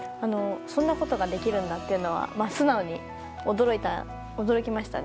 そんなことができるんだと素直に驚きましたね。